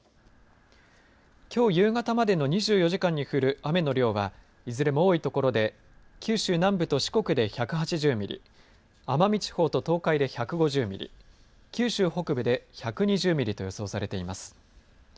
きょう夕方までの２４時間に降る雨の量はいずれも多い所で九州南部と四国で１８０ミリ奄美地方と東海で１５０ミリ九州北部で１２０ミリと予想されています。